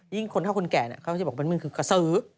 ยิ่งคนเข้าคนแก่เขาก็จะบอกว่ามันคือกระซื้อ